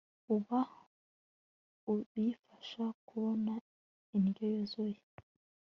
uba uyifasha kubona indyo yuzuye